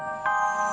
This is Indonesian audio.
saya tidak tahu